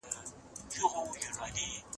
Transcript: ژوند غواړو.